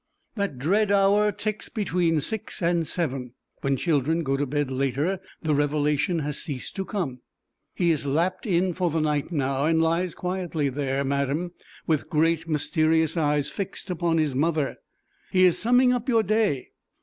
That dread hour ticks between six and seven; when children go to bed later the revelation has ceased to come. He is lapt in for the night now and lies quietly there, madam, with great, mysterious eyes fixed upon his mother. He is summing up your day.